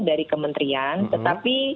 dari kementrian tetapi